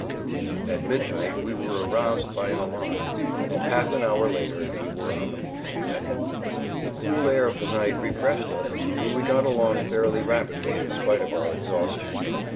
At midnight we were aroused by an alarm, and half an hour later we were on the move already. The cool air of the night refreshed us, and we got along fairly rapidly in spite of our exhaustion.